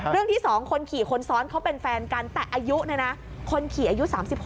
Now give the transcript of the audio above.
เรื่องที่สองคนขี่คนซ้อนเขาเป็นแฟนกันแต่อายุคนขี่อายุ๓๖